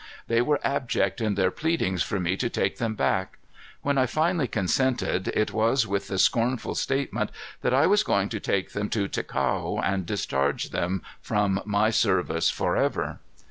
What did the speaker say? They were abject in their pleadings for me to take them back. When I finally consented, it was with the scornful statement that I was going to take them to Ticao and discharge them from my service forever.